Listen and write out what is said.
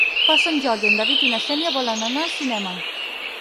Per Sant Jordi en David i na Xènia volen anar al cinema.